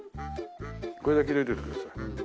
これだけ入れといてください。